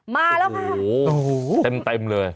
มาแล้วค่ะโอ้โหเต็มเลย